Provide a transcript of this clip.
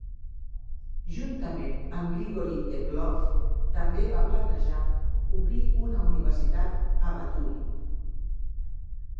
Juntament amb Grigory Teplov també va planejar obrir una universitat a Baturin.